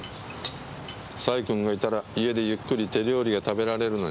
細君がいたら家でゆっくり手料理が食べられるのに。